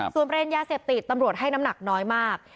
ส่วนประเด็นยาเสพติดตำรวจให้น้ำหนักน้อยมาก